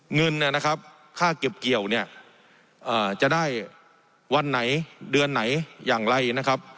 เงินเนี่ยนะครับค่าเก็บเกี่ยวเนี่ยจะได้วันไหนเดือนไหนอย่างไรนะครับ